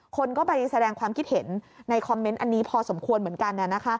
คนก็ไปแสดงความคิดเห็นในคอมเมนต์อันนี้พอสมควรเหมือนกัน